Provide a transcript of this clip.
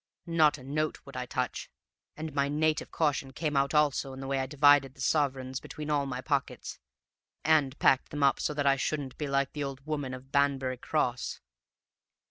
Not a note would I touch, and my native caution came out also in the way I divided the sovereigns between all my pockets, and packed them up so that I shouldn't be like the old woman of Banbury Cross.